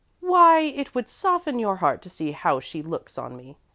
Why, it would soften your heart to see how she looks on me.